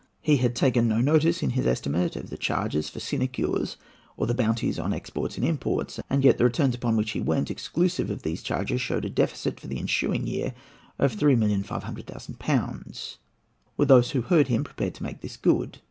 He had taken no notice in his estimate of the charges for sinecures or the bounties on exports and imports: and yet the returns upon which he went, exclusive of these charges, showed a deficit for the ensuing year of 3,500,000£ Were those who heard him prepared to make this good?